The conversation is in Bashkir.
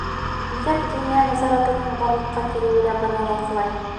Үҙәк диниә назаратының барлыҡҡа килеүе лә быны раҫлай.